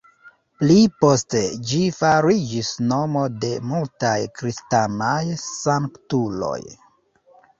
Pli poste ĝi fariĝis nomo de multaj kristanaj sanktuloj.